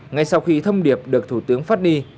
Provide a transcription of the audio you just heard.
ngay sau khi thông điệp được thủ tướng phát đi